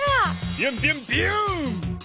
ビュンビュンビューン！